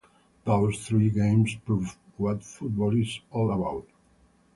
Those three games proved what football is all about.